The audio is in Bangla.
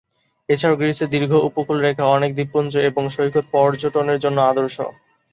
এছাড়া গ্রিসের দীর্ঘ উপকূলরেখা, অনেক দ্বীপপুঞ্জ এবং সৈকত পর্যটনের জন্য আদর্শ।